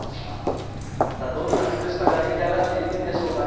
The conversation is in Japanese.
どんな靴下が出来上がっていくんでしょうね。